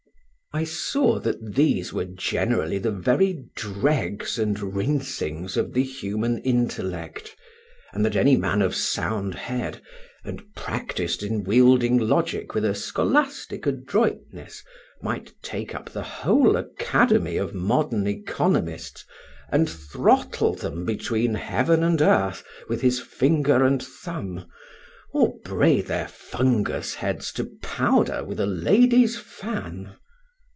I saw that these were generally the very dregs and rinsings of the human intellect; and that any man of sound head, and practised in wielding logic with a scholastic adroitness, might take up the whole academy of modern economists, and throttle them between heaven and earth with his finger and thumb, or bray their fungus heads to powder with a lady's fan.